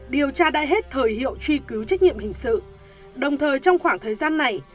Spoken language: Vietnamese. điều tra đã hết thời hiệu truy cứu trách nhiệm hình sự đồng thời trong khoảng thời gian này